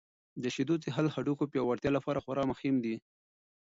د شیدو څښل د هډوکو د پیاوړتیا لپاره خورا مهم دي.